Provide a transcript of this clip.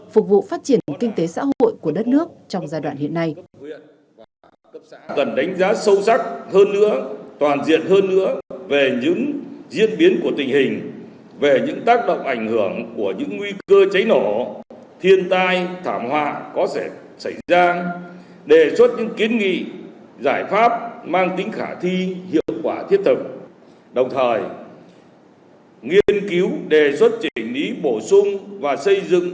phục vụ phát triển kinh tế xã hội của đất nước trong giai đoạn hiện nay